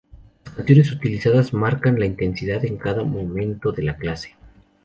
Las canciones utilizadas marcan la intensidad en cada momento de la clase.